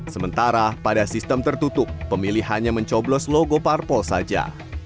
sementara pada sistem tertutup pemilih hanya mencoblos logo parpol saja